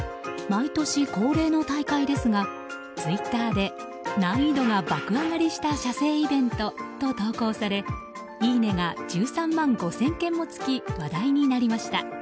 毎年恒例の大会ですがツイッターで「難易度が爆上がりした写生イベント」と投稿されいいねが１３万５０００件もつき話題になりました。